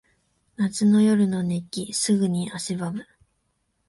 夏の夜の熱気。すぐに汗ばむ。